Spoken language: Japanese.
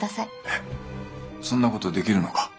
えっそんなことできるのか。